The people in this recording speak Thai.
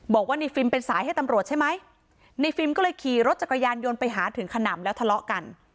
บอกว่าในฟิล์มเป็นสายให้ตำรวจใช่ไหมในฟิล์มก็เลยขี่รถจักรยานยนต์ไปหาถึงขนำแล้วทะเลาะกัน